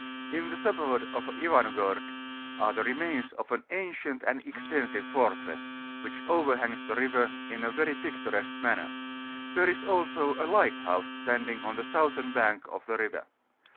In the suburb of Ivan^orod are the remains of an ancient and extensive fortress, which overhangs the river m a very picturesque manner; there is also a lighthouse standing on the southern bank of the river.